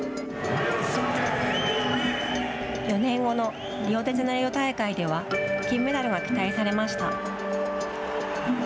４年後のリオデジャネイロ大会では金メダルが期待されました。